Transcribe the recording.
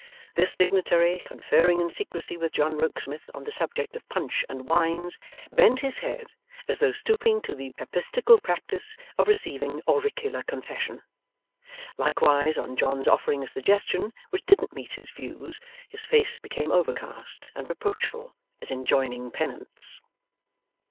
This dignitary, conferring in secrecy with John Rokesmith on the subject of punch and wines, bent his head as though stooping to the Papistical practice of receiving auricular confession. Likewise, on John's offering a suggestion which didn't meet his views, his face became overcast and reproachful, as enjoining penance.